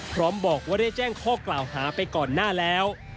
พร้อมบอกว่าได้แจ้งข้อกล่าวหาไปก่อนหน้าแล้ว